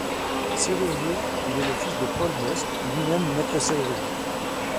Serrurier, il est le fils de Paul Bosc, lui-même maître-serrurier.